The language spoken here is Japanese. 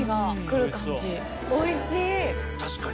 おいしい。